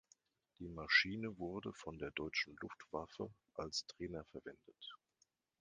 Die Maschine wurde von der deutschen Luftwaffe als Trainer verwendet.